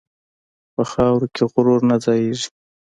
په خاورو کې غرور نه ځایېږي.